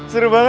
seru banget ya